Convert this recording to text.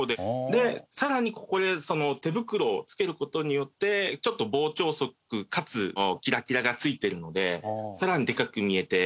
でさらにここで手袋を着ける事によってちょっと膨張かつキラキラが付いてるのでさらにでかく見えて。